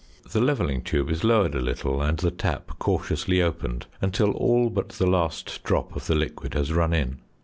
The levelling tube is lowered a little, and the tap cautiously opened until all but the last drop of the liquid has run in.